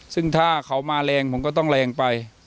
ซึ่งถ้าเขามาแรงผมก็ต้องแรงไป